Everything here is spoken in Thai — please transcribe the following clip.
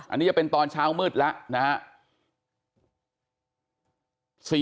อันนี้จะเป็นตอนเช้ามืดแล้วนะครับ